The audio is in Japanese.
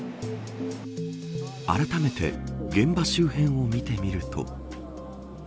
あらためて現場周辺を見てみると。